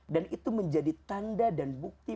dan itu menjadi tanda dan bukti